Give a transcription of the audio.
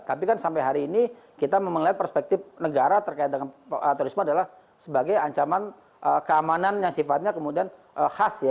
tapi kan sampai hari ini kita melihat perspektif negara terkait dengan terorisme adalah sebagai ancaman keamanan yang sifatnya kemudian khas ya